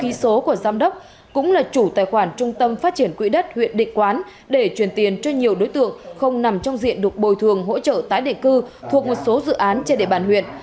ký số của giám đốc cũng là chủ tài khoản trung tâm phát triển quỹ đất huyện định quán để truyền tiền cho nhiều đối tượng không nằm trong diện được bồi thường hỗ trợ tái định cư thuộc một số dự án trên địa bàn huyện